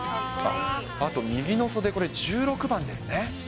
あと右の袖、これ、１６番ですね。